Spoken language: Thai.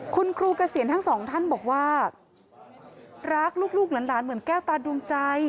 คุณครูเกษียณทั้งสองท่านบอกว่ารักลูกหลานเหมือนแก้วตาดวงใจ